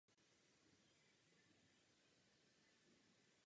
Později ji dokončil jeho syn Ali Paša.